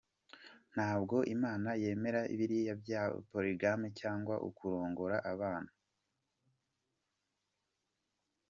Ntabwo imana yemera biriya bya Poligamy cyangwa kurongora abana.